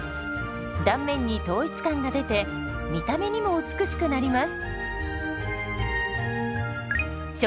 断面に統一感が出て見た目にも美しくなります。